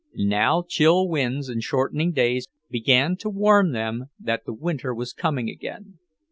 Now chill winds and shortening days began to warn them that the winter was coming again.